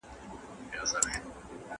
د مور په نشتون کي ئې روح صدمه ويني.